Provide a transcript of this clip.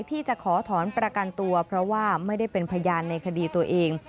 ที่จะขอถอนประกันตัวเพราะว่าไม่ได้เป็นพยานในคดีตัวเอง